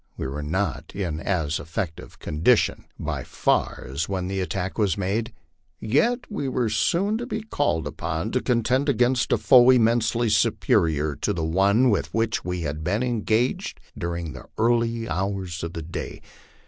We were not in as effective condition by far as when the attack was made, yet we were soon to be called upon to contend against a force immensely superior to the one with which we had been engaged during the early hours of the day.